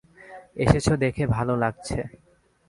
এসেছো দেখে ভালো লাগছে।